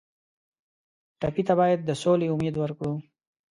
ټپي ته باید د سولې امید ورکړو.